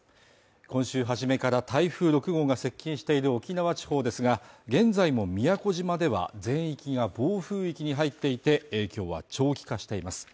今週初めから台風６号が接近している沖縄地方ですが現在も宮古島では全域が暴風域に入っていて影響は長期化しています